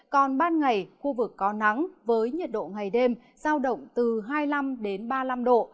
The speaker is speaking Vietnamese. còn ban ngày khu vực có nắng với nhiệt độ ngày đêm giao động từ hai mươi năm đến ba mươi năm độ